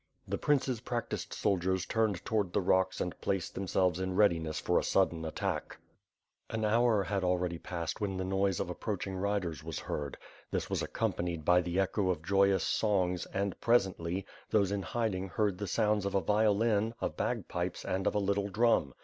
The prince's practised soldiers turned toward the rocks ind placed themselves in readiness for a sudden attack. WITH FIRE AND SWORD, 475 An hour had already passed when the noise of approaching riders was heard. This was accompanied by the echo of joyous songs and, presently, those in hiding heard the sounds of a violin, of bagpipes, and of a little drum.